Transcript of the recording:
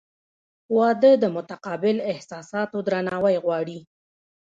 • واده د متقابل احساساتو درناوی غواړي.